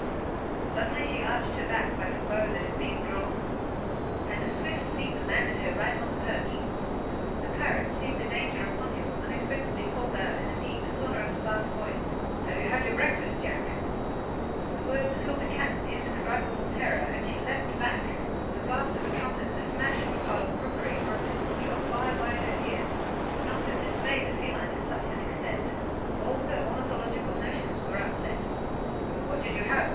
Suddenly she arched her back like a bow that is being drawn, and a swift leap landed her right on the perch. The parrot, seeing the danger upon him, unexpectedly called out in a deep, sonorous bass voice: “Have you had your breakfast, Jack?” The words filled the cat with indescribable terror; and she leapt back. The blast of a trumpet, the smash of a pile of crockery, or a pistol shot fired by her ear would not have dismayed the feline to such an extent. All her ornithological notions were upset. “And what did you have?